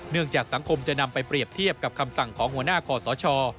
จากสังคมจะนำไปเปรียบเทียบกับคำสั่งของหัวหน้าขอสช